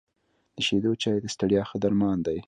د شيدو چای د ستړیا ښه درمان ده .